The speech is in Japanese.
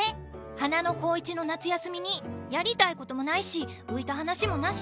華の高１の夏休みにやりたいこともないし浮いた話もなし。